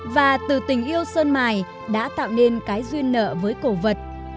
và từ tình yêu sơn mài đã tạo nên cái duyên nợ với cổ vật